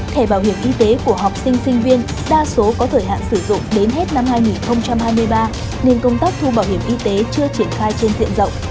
thẻ bảo hiểm y tế của học sinh sinh viên đa số có thời hạn sử dụng đến hết năm hai nghìn hai mươi ba nên công tác thu bảo hiểm y tế chưa triển khai trên diện rộng